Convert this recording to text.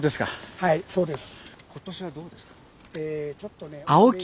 はいそうです。